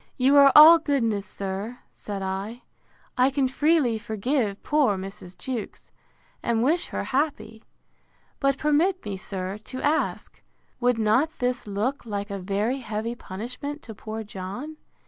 You are all goodness, sir, said I. I can freely forgive poor Mrs. Jewkes, and wish her happy. But permit me, sir, to ask, Would not this look like a very heavy punishment to poor John?